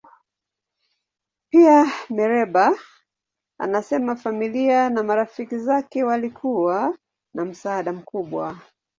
Pia, Mereba anasema familia na marafiki zake walikuwa na msaada mkubwa.